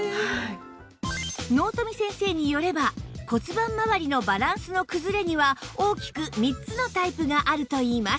納富先生によれば骨盤まわりのバランスの崩れには大きく３つのタイプがあるといいます